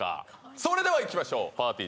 それではいきましょうぱーてぃー